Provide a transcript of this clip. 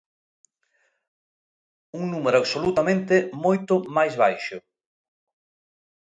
Un número absolutamente moito máis baixo.